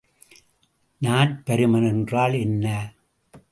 நாற்பருமன் என்றால் என்ன?